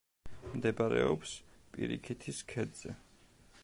მდებარეობს პირიქითის ქედზე.